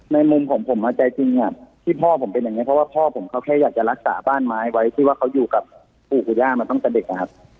มุมของผมใจจริงที่พ่อผมเป็นอย่างนี้เพราะว่าพ่อผมเขาแค่อยากจะรักษาบ้านไม้ไว้ที่ว่าเขาอยู่กับปู่กับย่ามาตั้งแต่เด็กนะครับ